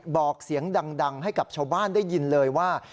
บอกเสียงดังให้กับชาวบ้านได้ยินเลยว่า